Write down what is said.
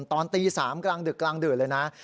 ตอนตี๓กลางดึกเลยนะ